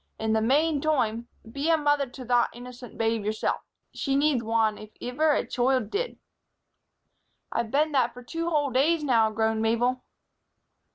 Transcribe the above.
In the mane toime, be a mother to thot innocent babe yourself. She needs wan if iver a choild did." "I've been that for two whole days now," groaned Mabel.